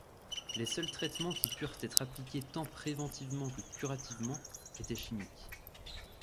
Les seuls traitements qui purent être appliqués tant préventivement que curativement étaient chimiques.